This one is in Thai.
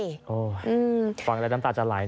โอ้ยฟังแล้วดำตาลจะไหลเนี่ย